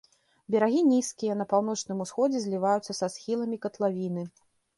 Берагі нізкія, на паўночным усходзе зліваюцца са схіламі катлавіны.